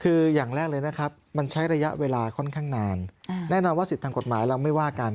คืออย่างแรกเลยนะครับมันใช้ระยะเวลาค่อนข้างนานแน่นอนว่าสิทธิ์ทางกฎหมายเราไม่ว่ากัน